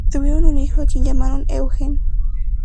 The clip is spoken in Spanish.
Tuvieron un hijo, a quien llamaron Eugen.